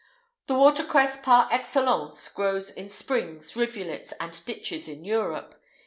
[IX 215] The water cress par excellence grows in springs, rivulets, and ditches, in Europe.